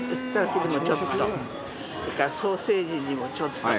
それからソーセージにもちょっと。